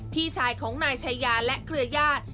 พี่สายของนายชัยยาสะสมทรัพย์และเคลือญาติ